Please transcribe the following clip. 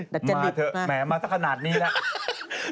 มาเถอะแหมมาสักขนาดนี้แหละ